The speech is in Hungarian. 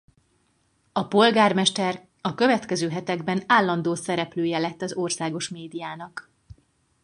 A polgármester a következő hetekben állandó szereplője lett az országos médiának.